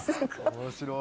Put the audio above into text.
面白い。